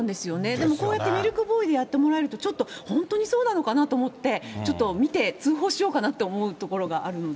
でもこうやってミルクボーイでやってもらえると、ちょっと、本当にそうなのかなと思って、ちょっと見て、通報しようかなと思うところがあるので。